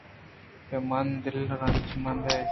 پہ من دلرنج مہ بئے